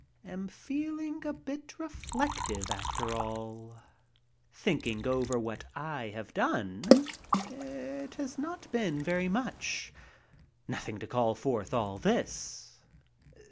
Am feeling a bit reflective, after all; thinking over what I have done, it has not been very much. Nothing to call forth all this.